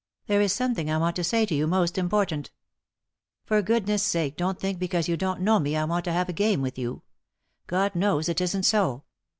There is something I want to say to you most important For goodness' sake don't think because you don't know me I want to have a game with you. God knows it isn't so.